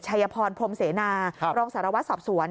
ชัยพรพรมเสนารองสารวัตรสอบสวน